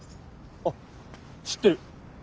あっ知ってる。